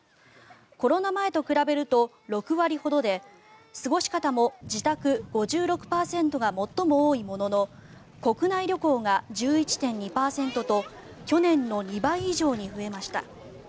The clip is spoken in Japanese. コロナ前と比べると６割ほどで過ごし方も自宅、５６％が最も多いものの国内旅行が１１．２％と去年の２倍以上に増えました。